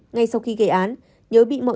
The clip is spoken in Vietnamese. ngay sau khi gây án nhớ bị mọi người đánh giá